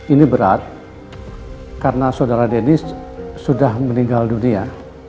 ini berat karena saudara deni sudah meninggal dunia